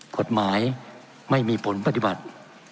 กฎหมายไม่มีผลปฏิบัติ